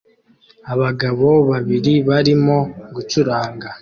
abagabo babiri barimo gucuranga